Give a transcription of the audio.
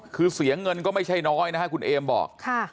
คือเสียเงินก็ไม่ใช่นิดนึงนะครับ